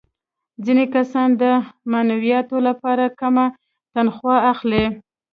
ځینې کسان د معنویاتو لپاره کمه تنخوا اخلي